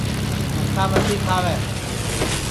متھا متی کھاوے